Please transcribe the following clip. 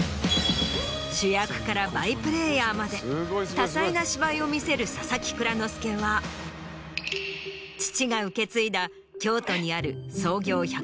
主役からバイプレーヤーまで多彩な芝居を見せる佐々木蔵之介は父が受け継いだ京都にある。